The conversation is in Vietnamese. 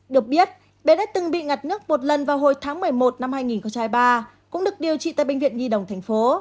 được biết bé đã từng bị ngặt nước một lần vào hồi tháng một mươi một năm hai nghìn hai mươi ba cũng được điều trị tại bệnh viện nhi đồng thành phố